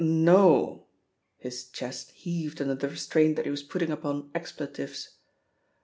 "Nol" His chest heaved under the restraint that he was putting upon expletives.